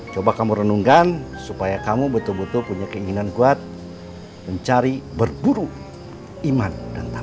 coba kamu renungkan supaya kamu betul betul punya keinginan kuat mencari berburu iman